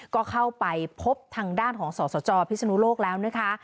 ก็เข้าไปพบทางด้านของสสจพิศนุโลกแล้วนะคะ